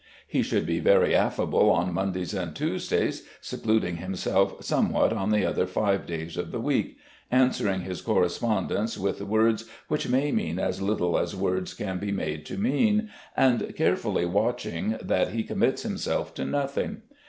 He should be very affable on Mondays and Tuesdays, secluding himself somewhat on the other five days of the week, answering his correspondents with words which may mean as little as words can be made to mean, and carefully watching that he commits himself to nothing.